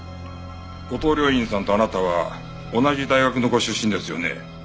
後藤了胤さんとあなたは同じ大学のご出身ですよね。